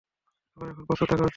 সবার এখন প্রস্তুত থাকা উচিৎ।